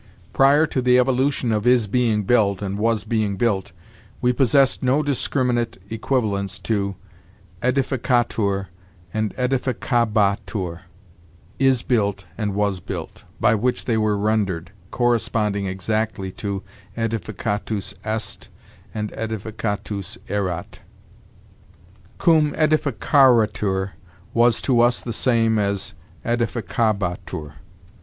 "Prior to the evolution of is being built and was being built, we possessed no discriminate equivalents to ædificatur and ædificabatur; is built and was built, by which they were rendered, corresponding exactly to ædificatus est and ædificatus erat. Cum ædificaretur was to us the same as ædificabatur.